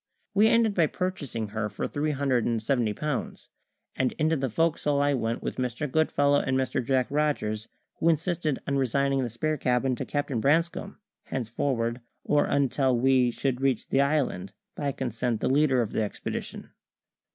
We ended by purchasing her for three hundred and seventy pounds; and into the fo'c's'le I went with Mr. Goodfellow and Mr. Jack Rogers, who insisted on resigning the spare cabin to Captain Branscome henceforward, or until we should reach the island, by consent the leader of the expedition.